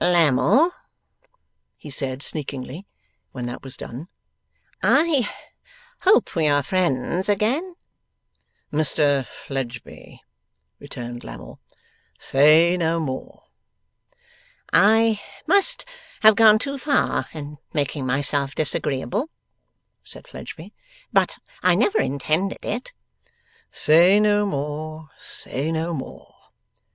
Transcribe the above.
'Lammle,' he said sneakingly, when that was done, 'I hope we are friends again?' 'Mr Fledgeby,' returned Lammle, 'say no more.' 'I must have gone too far in making myself disagreeable,' said Fledgeby, 'but I never intended it.' 'Say no more, say no more!